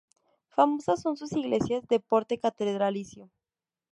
Famosas son sus iglesias de porte catedralicio.